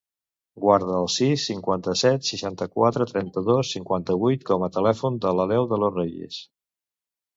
Guarda el sis, cinquanta-set, seixanta-quatre, trenta-dos, cinquanta-vuit com a telèfon de l'Aleu De Los Reyes.